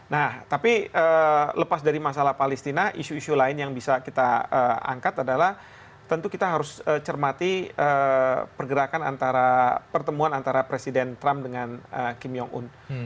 nah tapi lepas dari masalah palestina isu isu lain yang bisa kita angkat adalah tentu kita harus cermati pergerakan antara pertemuan antara presiden trump dengan kim jong un